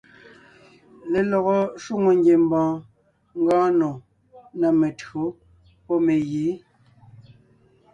Lelɔgɔ shwòŋo ngiembɔɔn ngɔɔn nò ná mentÿǒ pɔ́ megǐ.